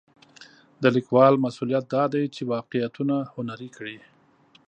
د لیکوال مسوولیت دا دی چې واقعیتونه هنري کړي.